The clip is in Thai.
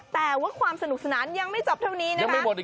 แต่ว่าความสนุกสนานยังไม่จบเท่านี้นะคะ